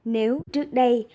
nếu trước đây